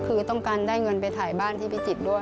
คือต้องการได้เงินไปถ่ายบ้านที่พิจิตรด้วย